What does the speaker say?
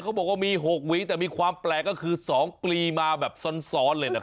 เขาบอกว่ามี๖หวีแต่มีความแปลกก็คือ๒ปลีมาแบบซ้อนเลยนะครับ